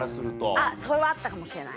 あっそれはあったかもしれない。